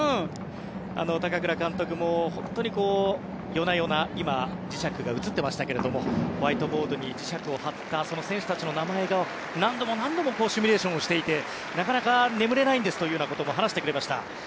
高倉監督も本当に夜な夜な今、磁石が映っていましたがホワイトボードに磁石を貼った選手たちの名前を何度も何度もシミュレーションをしていてなかなか眠れないんですということも話してくれました。